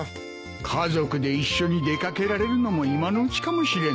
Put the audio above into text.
家族で一緒に出掛けられるのも今のうちかもしれんな。